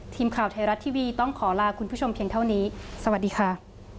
ทีมข่าวไทยรัฐทีวีต้องขอลาคุณผู้ชมเพียงเท่านี้สวัสดีค่ะ